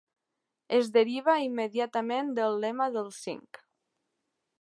Es deriva immediatament del lema dels cinc.